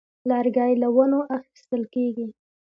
لرګی له ونو اخیستل کېږي.